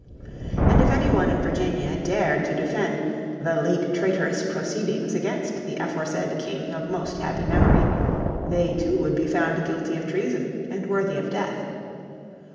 And if any one in Virginia dared to defend "the late traitorous proceedings against the aforesaid King of most happy memory" they too would be found guilty of treason and worthy of death.